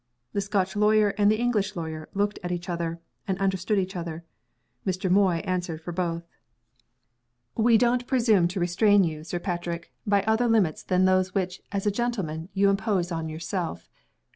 The Scotch lawyer and the English lawyer looked at each other and understood each other. Mr. Moy answered for both. "We don't presume to restrain you, Sir Patrick, by other limits than those which, as a gentleman, you impose on yourself.